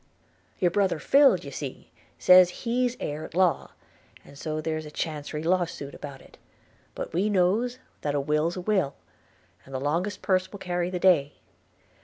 Your brother Phill, d'ye see, says he's heir at law, and so there's a Chancery law suit about it – But we knows that a will's a will, and the longest purse will carry the day.